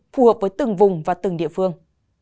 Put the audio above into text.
phù hợp với từng vùng và từng địa phương